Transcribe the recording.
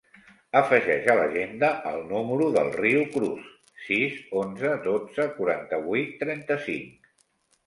Afegeix a l'agenda el número del Riu Cruz: sis, onze, dotze, quaranta-vuit, trenta-cinc.